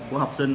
của học sinh